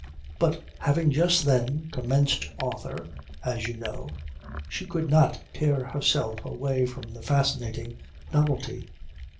But having just then 'commenced author,' as you know, she could not tear herself away from the fascinating novelty.